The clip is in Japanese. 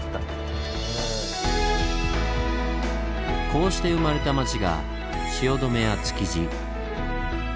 こうして生まれた町が汐留や築地。